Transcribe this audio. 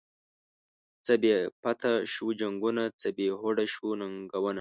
څه بی پته شوو جنگونه، څه بی هوډه شوو ننگونه